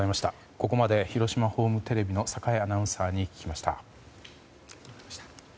ここまで広島ホームテレビの栄アナウンサーに聞きました。